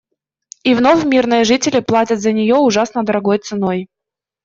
И вновь мирные жители платят за нее ужасно дорогой ценой.